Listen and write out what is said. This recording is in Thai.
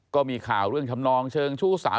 ก็มีข่าวเรื่องทำนองเชิงชู้สาว